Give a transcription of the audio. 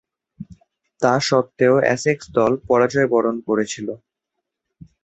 তাসত্ত্বেও, Essex দল পরাজয়বরণ করেছিল।